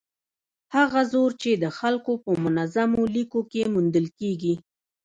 هغه زور چې د خلکو په منظمو لیکو کې موندل کېږي.